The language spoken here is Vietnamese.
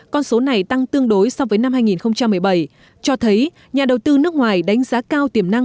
con số này tăng tương đối so với năm hai nghìn một mươi bảy cho thấy nhà đầu tư nước ngoài đánh giá cao tiềm năng